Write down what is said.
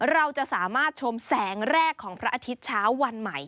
เราจะสามารถชมแสงแรกของพระอาทิตย์เช้าวันใหม่